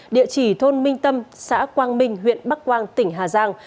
địa chỉ thôn minh tâm xã quang minh huyện bắc quang tỉnh hà giang